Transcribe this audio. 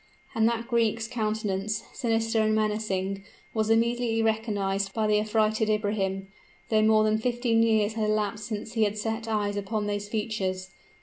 And that Greek's countenance, sinister and menacing, was immediately recognized by the affrighted Ibrahim though more than fifteen years had elapsed since he had set eyes upon those features.